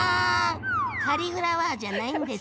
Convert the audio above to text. カリフラワーじゃないんですね。